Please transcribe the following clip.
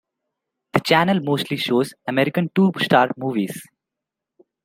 The channel mostly shows American two-star movies.